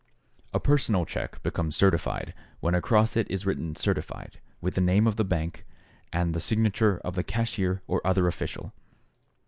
= A personal check becomes certified when across it is written "certified," with the name of the bank and the signature of the cashier or other official.